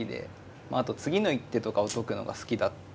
まああと次の一手とかを解くのが好きだった。